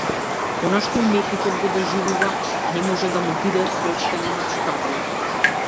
Она што уметникот го доживува, не може да му биде соопштено на читателот.